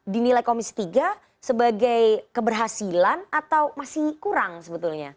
dinilai komisi tiga sebagai keberhasilan atau masih kurang sebetulnya